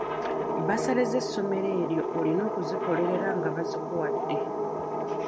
Bassale z'essomero eryo olina okuzikolerera nga bazikuwadde.